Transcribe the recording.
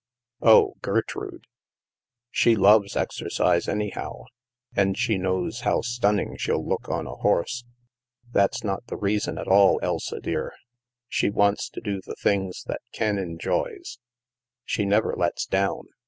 "Oh, Gertrude! She loves exercise, anyhow. And she knows how stunning she'll look on a horse." "That's not the reason at all, Elsa dear. She wants to do the things that Ken enjoys. She never lets down.